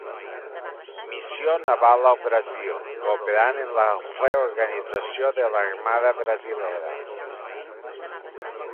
Missió Naval al Brasil, cooperant en la reorganització de l'Armada brasilera.